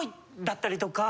だったりとか。